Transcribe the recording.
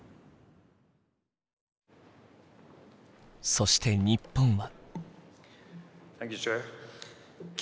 そして日本は。